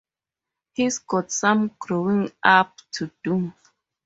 He’s got some growing up to do.